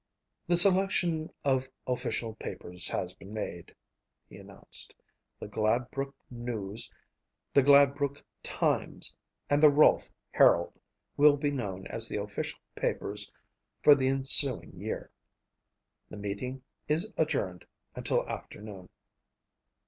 "The selection of official papers has been made," he announced. "The Gladbrook News, the Gladbrook Times and the Rolfe Herald will be known as the official papers for the ensuing year. The meeting is adjourned until afternoon."